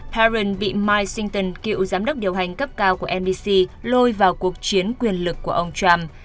byron bị mike singleton cựu giám đốc điều hành cấp cao của nbc lôi vào cuộc chiến quyền lực của ông trump